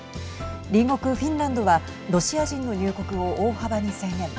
隣国フィンランドはロシア人の入国を大幅に制限。